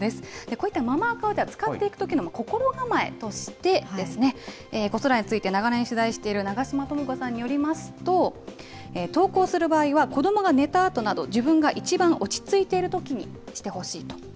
こういったママ垢を、では、使っていくときの心構えとしてですね、長年、取材をしている長島ともこさんによりますと、投稿する場合は、子どもが寝たあとなど、自分が一番落ち着いているときにしてほしいと。